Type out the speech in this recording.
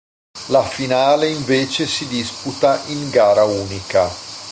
La finale invece si disputa in gara unica.